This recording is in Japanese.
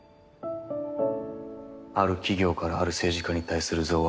ある企業からある政治家に対する贈賄。